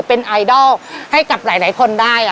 เป็นไอดอลให้กับหลายคนได้